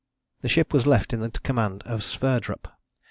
The ship was left in the command of Sverdrup.